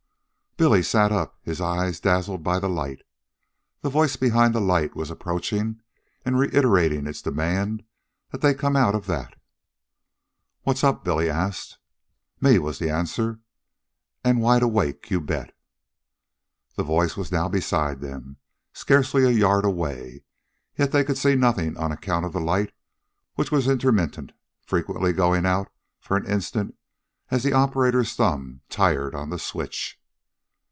Billy sat up, his eyes dazzled by the light. The voice behind the light was approaching and reiterating its demand that they come out of that. "What's up?" Billy asked. "Me," was the answer; "an' wide awake, you bet." The voice was now beside them, scarcely a yard away, yet they could see nothing on account of the light, which was intermittent, frequently going out for an instant as the operator's thumb tired on the switch.